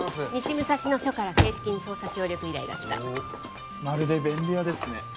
西武蔵野署から正式に捜査協力依頼が来たまるで便利屋ですね